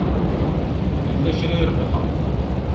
Yell kra i rebḥeɣ?